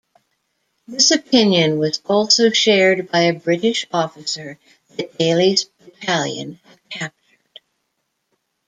This opinion was also shared by a British officer that Daly's battalion had captured.